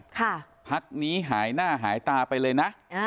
พักนี้หายหน้าหายตาไปเลยนะ